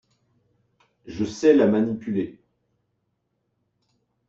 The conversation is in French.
Je sais la manipuler.